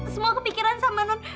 semua kepikiran sama non